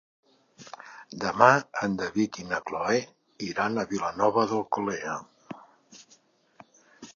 Demà en David i na Cloè iran a Vilanova d'Alcolea.